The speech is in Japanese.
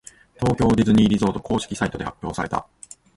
東京ディズニーリゾート公式サイトで発表された。